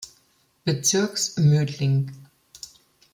Bezirks, Mödling.